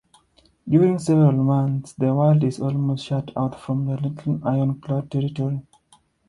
During several months, the world is almost shut out from the little ironclad territory.